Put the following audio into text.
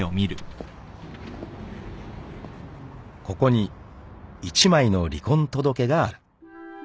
［ここに１枚の離婚届がある］